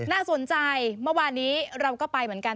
น่าสนใจเมื่อวานนี้เราก็ไปเหมือนกัน